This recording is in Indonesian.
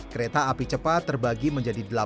kereta api cepat terbagi menjadi